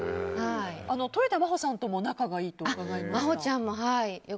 とよた真帆さんとも仲がいいと伺いました。